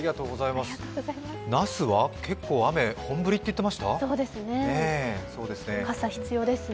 那須は結構、雨、本降りって言ってましたね。